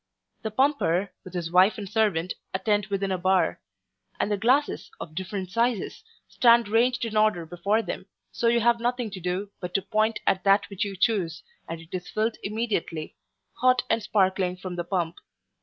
The pumper, with his wife and servant, attend within a bar; and the glasses, of different sizes, stand ranged in order before them, so you have nothing to do but to point at that which you choose, and it is filled immediately, hot and sparkling from the pump.